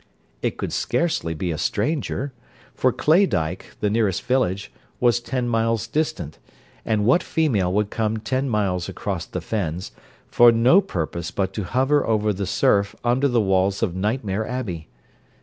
It could scarcely be a stranger; for Claydyke, the nearest village, was ten miles distant; and what female would come ten miles across the fens, for no purpose but to hover over the surf under the walls of Nightmare Abbey?